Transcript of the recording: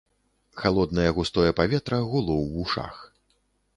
Халоднае густое паветра гуло ў вушах.